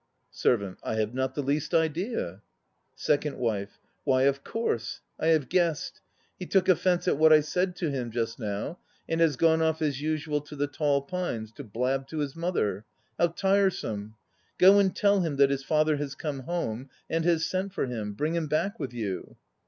SERVANT. I have not the least idea. SECOND WIFE. Why, of course! I have guessed. He took offence at what I said to him just now and has gone off as usual to the Tall Pines to blab to his mother. How tiresome! Go and tell him that his father has come home and has sent for him; bring him back with you.